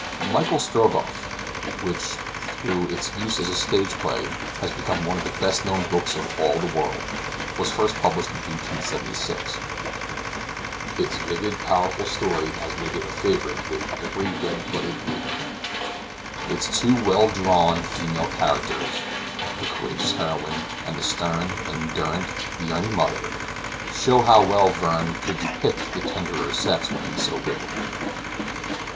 "Michael Strogoff" which, through its use as a stage play, has become one of the best known books of all the world, was first published in 1876. Its vivid, powerful story has made it a favorite with every red blooded reader. Its two well drawn female characters, the courageous heroine, and the stern, endurant, yearning mother, show how well Verne could depict the tenderer sex when he so willed.